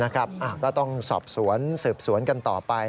ก็ต้องสอบสวนสืบสวนกันต่อไป